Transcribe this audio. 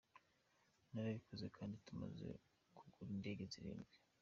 Narabikoze kandi tumaze kugura indege zirindwi.